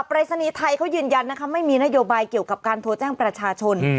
ปรายศนีย์ไทยเขายืนยันนะคะไม่มีนโยบายเกี่ยวกับการโทรแจ้งประชาชน